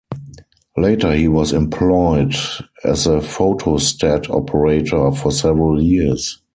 Later, he was employed as a photostat operator for several years.